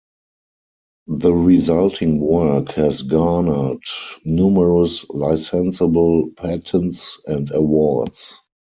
The resulting work has garnered numerous licensable patents and awards.